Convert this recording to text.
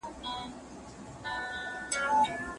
د ژوندون سفر لنډی دی مهارت غواړي عمرونه